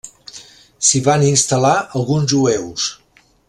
S'hi van instal·lar alguns jueus.